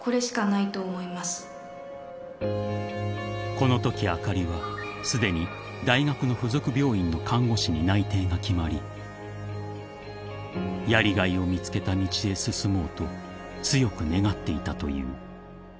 ［このときあかりはすでに大学の付属病院の看護師に内定が決まりやりがいを見つけた道へ進もうと強く願っていたという］